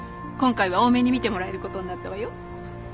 今回は大目に見てもらえることになったわよ。